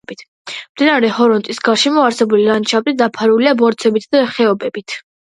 მდინარე ჰურონის გარშემო არსებული ლანდშაფტი დაფარულია ბორცვებითა და ხეობებით.